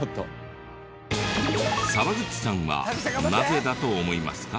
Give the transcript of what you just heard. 沢口さんはなぜだと思いますか？